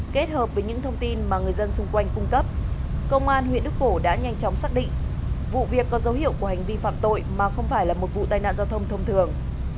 kết hợp với những thông tin mà người dân xung quanh cung cấp công an huyện đức phổ đã nhanh chóng xác định vụ việc có dấu hiệu của hành vi phạm tội mà không phải là một vụ tai nạn giao thông thông thường